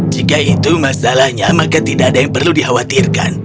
jika itu masalahnya maka tidak ada yang perlu dikhawatirkan